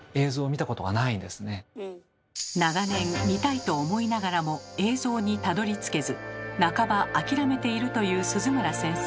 長年見たいと思いながらも映像にたどりつけず半ばあきらめているという鈴村先生。